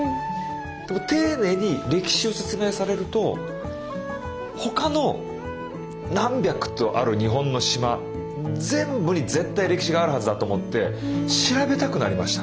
でも丁寧に歴史を説明されると他の何百とある日本の島全部に絶対歴史があるはずだと思って調べたくなりました。